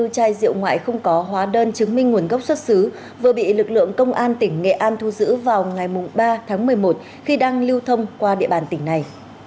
ba bốn trăm bảy mươi bốn chai rượu ngoại không có hóa đơn chứng minh nguồn gốc xuất xứ vừa bị lực lượng công an tỉnh nghệ an thu giữ vào ngày ba tháng một mươi một khi đang lưu thông qua địa bàn tỉnh này